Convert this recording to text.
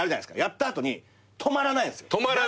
やった後に止まらないんすよ。